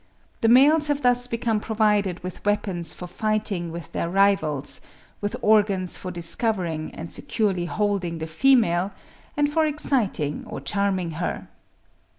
The males have thus become provided with weapons for fighting with their rivals, with organs for discovering and securely holding the female, and for exciting or charming her.